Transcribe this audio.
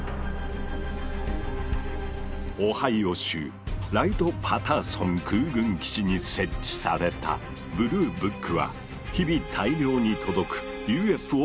オハイオ州ライト・パターソン空軍基地に設置された「ブルーブック」は日々大量に届くＵＦＯ